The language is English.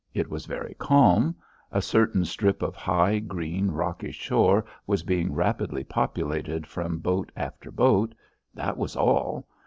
It was very calm; a certain strip of high, green, rocky shore was being rapidly populated from boat after boat; that was all.